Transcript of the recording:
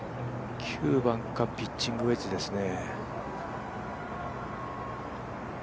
９番かピッチングウェッジですね。